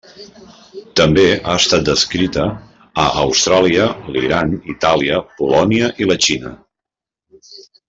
També ha estat descrita a Austràlia, l'Iran, Itàlia, Polònia i la Xina.